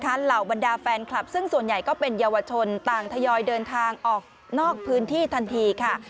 เหล่าบรรดาแฟนคลับซึ่งส่วนใหญ่ก็เป็นเยาวชนต่างทยอยเดินทางออกนอกพื้นที่ทันทีค่ะ